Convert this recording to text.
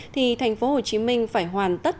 thì thành phố hồ chí minh phải hoàn tất